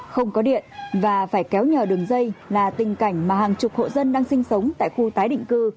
không có điện và phải kéo nhờ đường dây là tình cảnh mà hàng chục hộ dân đang sinh sống tại khu tái định cư